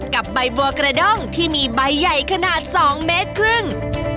กับใบบัวกระด้งที่มีใบใหญ่ขนาด๒เมตรครึ่ง